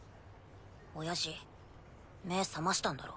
おやじ目ぇ覚ましたんだろ。